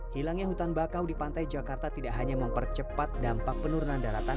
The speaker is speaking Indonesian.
hilangnya hutan bakau di pantai jakarta tidak hanya mempercepat dampak penurunan daratan